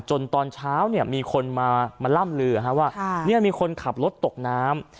จนตอนเช้าเนี้ยมีคนมามาล่ำลืออ่ะฮะว่าค่ะเนี้ยมีคนขับรถตกน้ำ